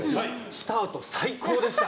スタート、最高でした。